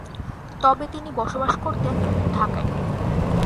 তবে তিনি বসবাস করতেন ঢাকায়।